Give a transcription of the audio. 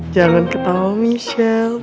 jangan ketawa michelle